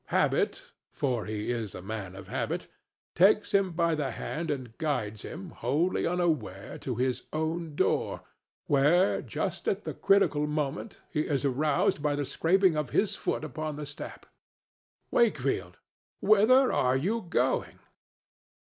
Habit—for he is a man of habits—takes him by the hand and guides him, wholly unaware, to his own door, where, just at the critical moment, he is aroused by the scraping of his foot upon the step.—Wakefield, whither are you going?